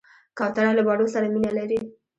کوتره له بڼو سره مینه لري.